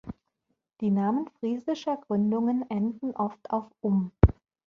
Die Namen friesischer Gründungen enden oft auf „-"um"“.